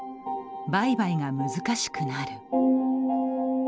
売買が難しくなる。